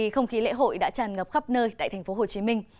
không khí lễ hội đã tràn ngập khắp nơi tại tp hcm